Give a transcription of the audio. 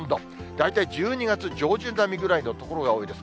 大体１２月上旬並みぐらいの所が多いです。